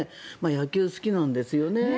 野球、好きなんですよね。